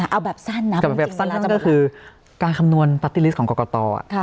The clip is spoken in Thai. เอาแบบสั้นน้ำจริงก็คือการคำนวณปัตติฤทธิ์ของกรกต